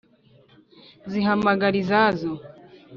Zihamagara izazo